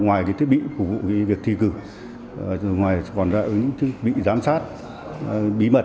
ngoài thiết bị phục vụ việc thi cử ngoài còn ra những thiết bị giám sát bí mật